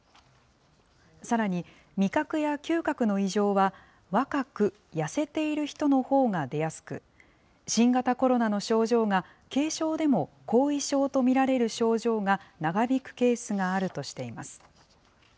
さらに、味覚や嗅覚の異常は、若く、痩せている人のほうが出やすく、新型コロナの症状が軽症でも後遺症と見られる症状が長引くケースがあるとしています。